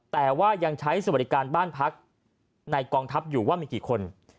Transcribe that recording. แต่ว่ายังใช้สวัสดิการบ้านพักในกองทัพอยู่ว่ามีกี่คน